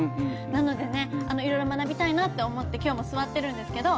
なので色々学びたいなって思って今日も座ってるんですけど。